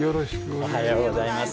おはようございます。